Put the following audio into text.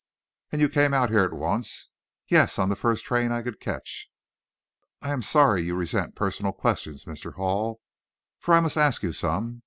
"And you came out here at once?" "Yes; on the first train I could catch." "I am sorry you resent personal questions, Mr. Hall, for I must ask you some.